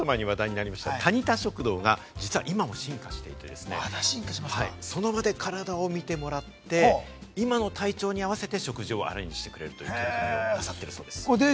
ちょっと前に話題になったタニタ食堂が進化していて、その場で体をみてもらって、今の体調に合わせて食事をアレンジしてくれるということをなさってるそうです。